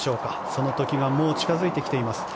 その時がもう近付いてきています。